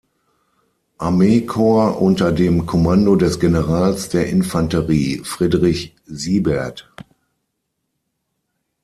Armeekorps unter dem Kommando des Generals der Infanterie Friedrich Siebert.